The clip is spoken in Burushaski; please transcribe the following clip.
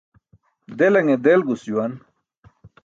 Delaṅe delgus juwan.